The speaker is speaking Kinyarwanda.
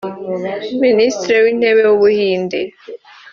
Minisitiri w’Intebe w’u Buhinde